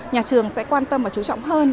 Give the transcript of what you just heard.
nhà trường sẽ quan tâm và chú trọng hơn